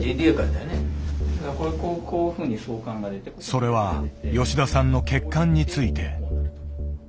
それは吉田さんの血管について。